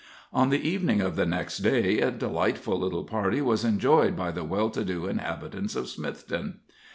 On the evening of the next day a delightful little party was enjoyed by the well to do inhabitants of Smithton.